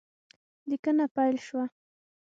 لیکنه پیل شوه